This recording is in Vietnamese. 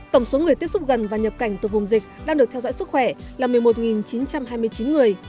tổng số người tiếp xúc gần và nhập cảnh từ vùng dịch đang được theo dõi sức khỏe là một mươi một chín trăm hai mươi chín người